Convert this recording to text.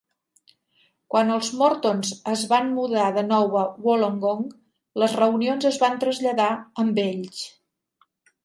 Quan els Mortons es van mudar de nou a Wollongong, les reunions es van traslladar amb ells.